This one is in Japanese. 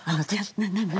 何？